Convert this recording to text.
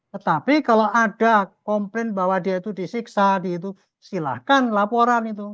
tetapi kalau ada komplain bahwa dia itu disiksa di itu silahkan laporan itu